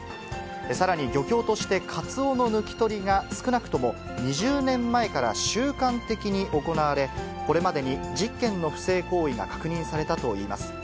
さらに漁協としてカツオの抜き取りが、少なくとも２０年前から習慣的に行われ、これまでに１０件の不正行為が確認されたといいます。